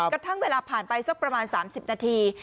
กระทั่งเวลาผ่านไปสักประมาณ๓๐นาที